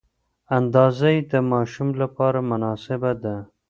اندازه یې د ماشوم لپاره مناسبه ده.